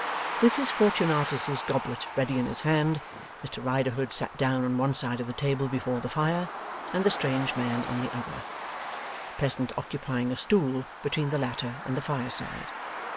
With his Fortunatus's goblet ready in his hand, Mr Riderhood sat down on one side of the table before the fire, and the strange man on the other: Pleasant occupying a stool between the latter and the fireside.